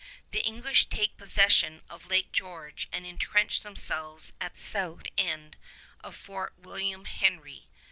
The English take possession of Lake George and intrench themselves at the south end in Fort William Henry.